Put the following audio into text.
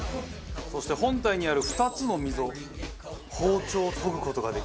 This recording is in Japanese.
そして本体にある２つの溝包丁を研ぐ事ができます。